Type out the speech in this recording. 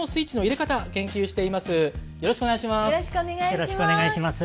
よろしくお願いします。